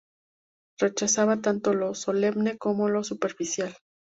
Rechazaba tanto lo solemne como lo superficial.